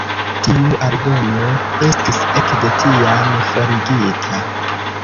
Tiu aldono estis ekde tiam forigita.